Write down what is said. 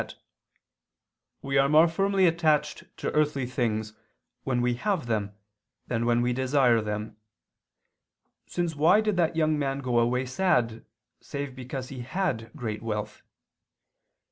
that "we are more firmly attached to earthly things when we have them than when we desire them: since why did that young man go away sad, save because he had great wealth?